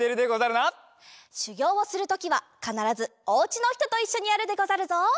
しゅぎょうをするときはかならずおうちのひとといっしょにやるでござるぞ。